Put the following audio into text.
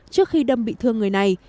trước khi đâm bị thương người này